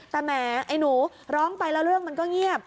แต่แหมไอ้หนูร้องไปแล้วเรื่องมันก็เงียบ